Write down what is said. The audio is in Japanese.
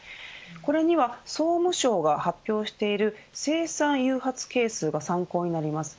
これには総務省が発表している生産誘発係数が参考になります。